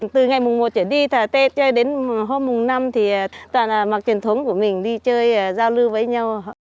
từ ngày mùng một trở đi tết chơi đến hôm mùng năm thì toàn mặc truyền thống của mình đi chơi giao lưu với nhau